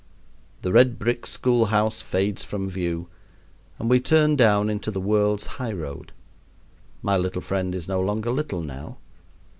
The red brick school house fades from view, and we turn down into the world's high road. My little friend is no longer little now.